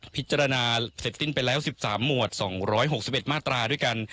พิจารณาเสร็จสิ้นไปแล้ว๑๓หมวด๒๖๑มาตราด้วยกัน